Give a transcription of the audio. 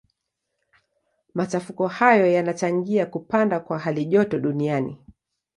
Machafuko hayo yanachangia kupanda kwa halijoto duniani.